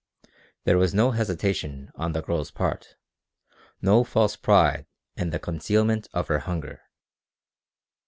There was no hesitation on the girl's part, no false pride in the concealment of her hunger.